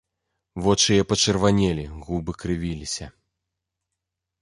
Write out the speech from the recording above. Вочы яе пачырванелі, губы крывіліся.